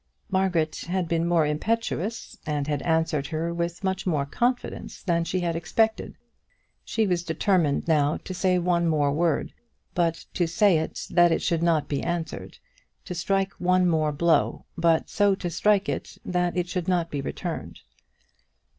Margaret had been more impetuous and had answered her with much more confidence than she had expected. She was determined now to say one more word, but so to say it that it should not be answered to strike one more blow, but so to strike it that it should not be returned.